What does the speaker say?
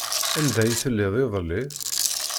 Anda ay telliḍ iḍelli?